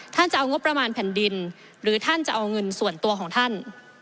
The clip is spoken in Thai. ท่านจะเอางบประมาณแผ่นดินหรือท่านจะเอาเงินส่วนตัวของท่าน